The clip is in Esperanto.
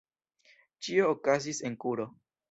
Ĉio okazis en kuro.